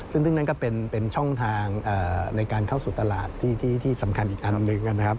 ซึ่งนั่นก็เป็นช่องทางในการเข้าสู่ตลาดที่สำคัญอีกอันหนึ่งนะครับ